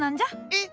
えっ？